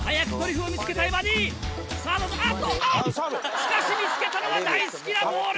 しかし見つけたのは大好きなボール！